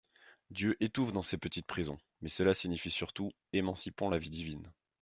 Dieu étouffe dans ces petites prisons ! Mais cela signifie surtout : Émancipons la vie divine.